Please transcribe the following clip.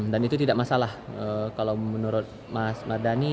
dan itu tidak masalah kalau menurut mas mardani